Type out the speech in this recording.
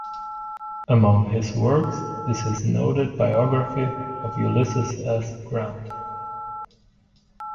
Among his works is his noted biography of Ulysses S. Grant.